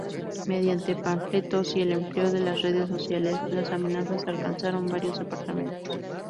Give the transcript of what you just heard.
Mediante panfletos y el empleo de las redes sociales, las amenazas alcanzaron varios departamentos.